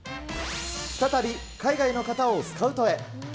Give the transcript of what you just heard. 再び、海外の方をスカウトへ。